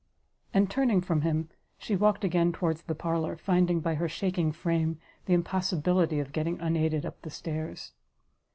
And, turning from him, she walked again towards the parlour, finding by her shaking frame, the impossibility of getting unaided up the stairs.